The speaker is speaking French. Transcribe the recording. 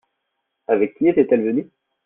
Avec qui était-elle venu ?